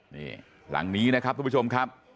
นี่หลังนี้นะครับทุกผู้ชมครับ